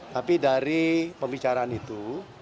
tapi dari pembicaraan itu